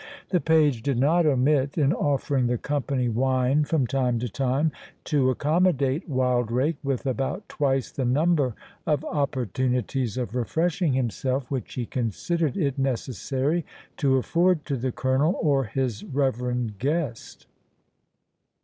The page did not omit, in offering the company wine from time to time, to accommodate Wildrake with about twice the number of opportunities of refreshing himself which he considered it necessary to afford to the Colonel or his reverend guest.